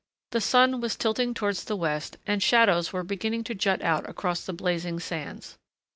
The sun was tilting towards the west and shadows were beginning to jut out across the blazing sands.